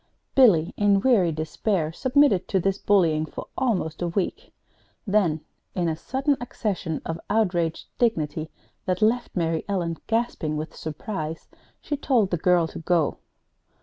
Billy, in weary despair, submitted to this bullying for almost a week; then, in a sudden accession of outraged dignity that left Mary Ellen gasping with surprise, she told the girl to go.